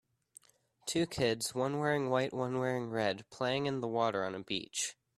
Two kids, one wearing white one wearing red, playing in the water on a beach.